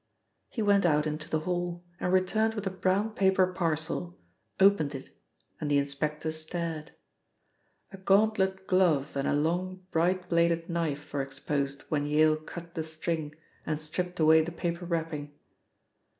He went out into the hall and returned with a brown paper parcel, opened it, and the inspector stared. A gauntlet glove and a long bright bladed knife were exposed when Yale cut the string and stripped away the paper wrapping.